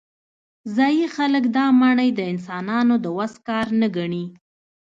ځايي خلک دا ماڼۍ د انسانانو د وس کار نه ګڼي.